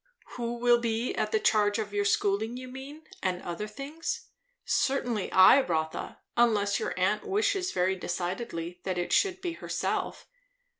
"Who will be at the charge of your schooling, you mean? and other things? Certainly I, Rotha, unless your aunt wishes very decidedly that it should be herself."